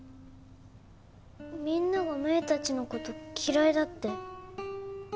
みんなが芽衣たちの事嫌いだって。